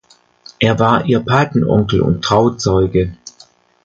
Er war ihr Patenonkel und Trauzeuge.